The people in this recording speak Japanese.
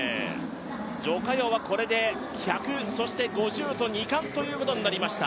徐嘉余はこれで１００そして５０と２冠ということになりました。